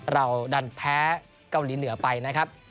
เราดันแพ้เกาหลีเหนือไปนะครับ